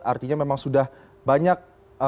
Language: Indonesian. artinya memang sudah banyak